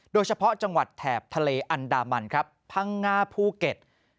โดยเฉพาะจังหวัดแถบทะเลอันดามันครับพังงาภูเก็ต